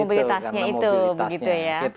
mobilitasnya itu begitu ya